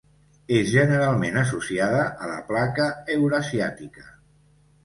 És generalment associada a la placa eurasiàtica.